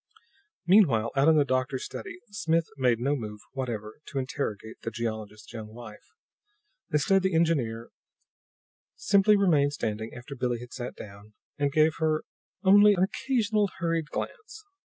Meanwhile, out in the doctor's study, Smith had made no move whatever to interrogate the geologist's young wife. Instead, the engineer simply remained standing after Billie had sat down, and gave her only an occasional hurried glance.